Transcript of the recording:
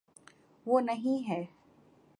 وہ نہیں ہے۔